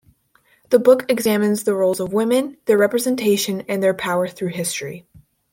The book examines the roles of women, their representation, and their power through history.